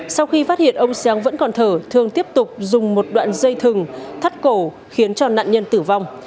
sau khi phát hiện ông sáng vẫn còn thở thường tiếp tục dùng một đoạn dây thừng thắt cổ khiến cho nạn nhân tử vong